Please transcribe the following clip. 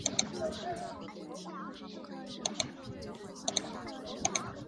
我们拯救他了！